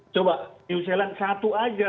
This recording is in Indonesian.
coba di new zealand satu saja